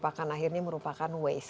sehingga ini akhirnya merupakan waste